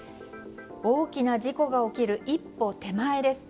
大きな事故が起きる一歩手前です。